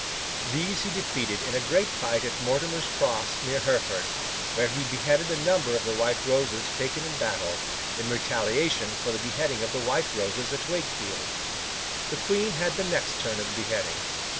These he defeated in a great fight at Mortimer's Cross, near Hereford, where he beheaded a number of the Red Roses taken in battle, in retaliation for the beheading of the White Roses at Wakefield. The Queen had the next turn of beheading.